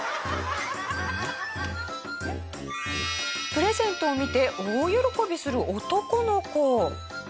プレゼントを見て大喜びする男の子。